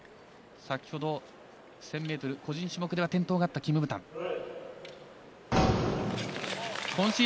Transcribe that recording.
先ほど１０００ｍ個人種目では転倒があったキム・ブタン。